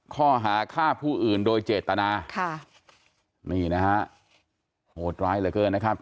ข้อหาฆ่าผู้อื่นโดยเจตนาโหดร้ายเหลือเกินนะครับ